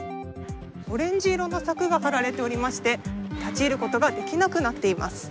オレンジ色の柵が張られておりまして立ち入ることができなくなっています。